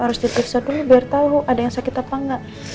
harus diperiksa dulu biar tahu ada yang sakit apa enggak